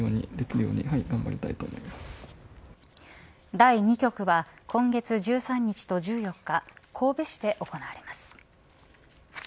第２局は今月１３日と１４日神戸市で行われます。